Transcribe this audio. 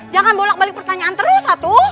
jangan bolak balik pertanyaan terus satu